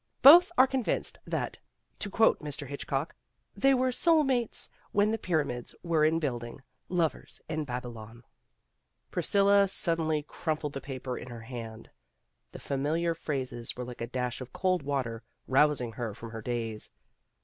Both are convinced that, to quote Mr. Hitchcock, 'they were soul mates when the pyramids were in building, lovers in Babylon '" Priscilla suddenly crumpled the paper in her hand. The familiar phrases were like a dash of cold water, rousing her from her daze.